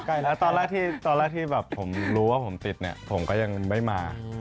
ใกล้แล้วตอนแรกที่ผมรู้ว่าผมติดผมก็ยังไม่มา